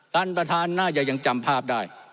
ท่านประธานน่าจะยังจำภาพได้